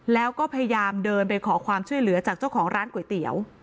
แล้วก็พยายามเดินไปขอความช่วยเหลือจากเจ้าของร้านก๋วยเตี๋ยว